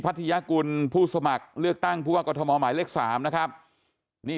ทยากุลผู้สมัครเลือกตั้งผู้ว่ากรทมหมายเลข๓นะครับนี่